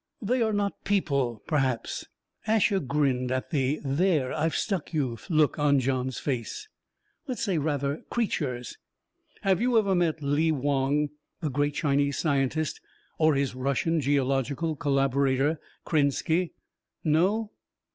"They are not people, perhaps." Asher grinned at the "there, I've stuck you!" look on Johns' face. "Let's say, rather, creatures. Have you ever met Lee Wong, the great Chinese scientist, or his Russian geological collaborator, Krenski? No?